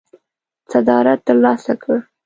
صدارت ترلاسه کړ.